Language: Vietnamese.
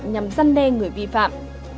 nhằm gian đe người vi phạm